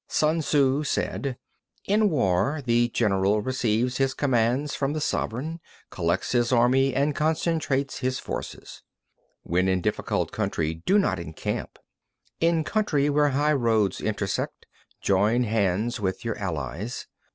Sun Tzŭ said: In war, the general receives his commands from the sovereign, collects his army and concentrates his forces. 2. When in difficult country, do not encamp. In country where high roads intersect, join hands with your allies.